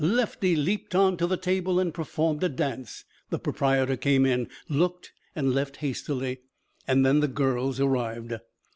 Lefty leaped on to the table and performed a dance. The proprietor came in, looked, and left hastily, and then the girls arrived.